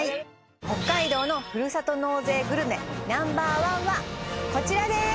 北海道のふるさと納税グルメＮｏ．１はこちらです！